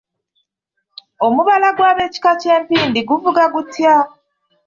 Omubala gw’abeekika ky’empindi guvuga gutya?